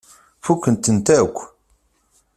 Fukken-tent akk.